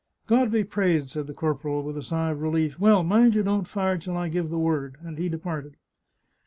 " God be praised !" said the corporal, with a sigh of relief. " Well, mind you don't fire till I give the word," and he departed.